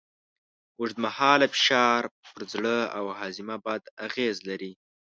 اوږدمهاله فشار پر زړه او هاضمه بد اغېز لري.